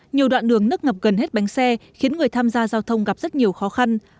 nhiều đoạn đường nức ngập gần hết bánh xe khiến người tham gia giao thông gặp rất nhiều khó khăn